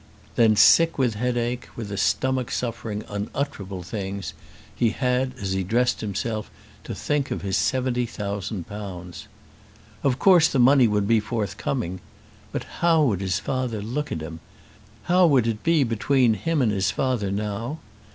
Then sick with headache, with a stomach suffering unutterable things, he had, as he dressed himself, to think of his seventy thousand pounds. Of course the money would be forthcoming. But how would his father look at him? How would it be between him and his father now?